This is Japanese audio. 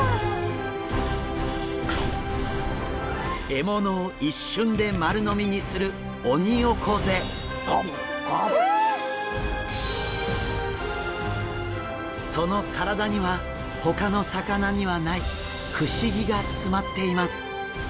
獲物を一瞬で丸飲みにするその体にはほかの魚にはない不思議が詰まっています。